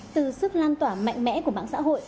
từ sức lan tỏa mạnh mẽ của mạng xã hội